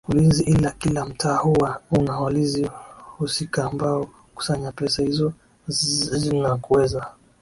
ulinzi ila kila mtaa huwa una walizi husika ambao hukusanya pesa hizo na kuweza